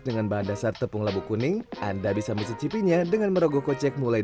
dengan bahan dasar tepung labu kuning anda bisa mencari bahan yang lebih baik dari usaha rumah ini